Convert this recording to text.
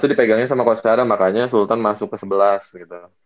sebelas itu dipegangin sama coach harrell makanya sultan masuk ke sebelas gitu